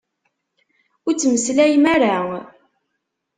Ur ttmeslayem ara!